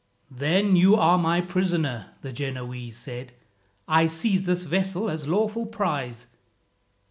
"Then you are my prisoner," the Genoese said. "I seize this vessel as lawful prize."